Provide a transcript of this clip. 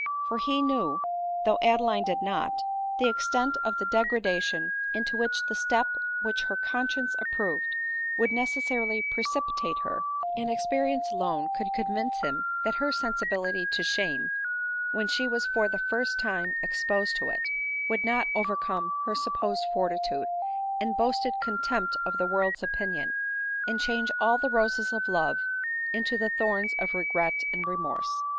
For he knew, though Adeline did not, the extent of the degradation into which the step which her conscience approved would necessarily pre cipitate her ; and experience alone could convince him that her sensibility to shame, when she was for the first time exposed to it, would not overcome her supposed fortitude and boasted contempt of the world's opinion, and change all the roses of love into the thorns of regret and remorse.